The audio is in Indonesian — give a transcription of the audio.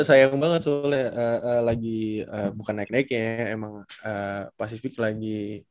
sayang banget soalnya lagi bukan naik naiknya emang pasifik lagi